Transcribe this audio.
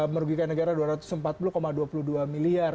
merugikan negara dua ratus empat puluh dua puluh dua miliar